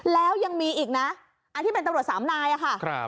แล้วยังมีอีกนะอันที่เป็นตำรวจสามนายค่ะ